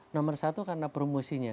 nomor satu karena promosinya